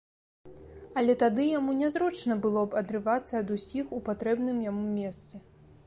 Але тады яму нязручна было б адрывацца ад усіх у патрэбным яму месцы.